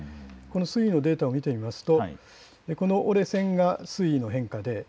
水位のデータを見てみるとこの折れ線が水位の変化です。